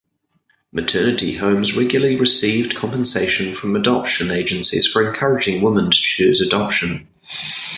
Maternity homes regularly received compensation from adoption agencies for encouraging women to choose adoption.